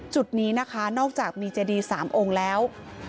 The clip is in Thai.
จุดนี้นะคะนอกจากมีเจดี๓องค์แล้ว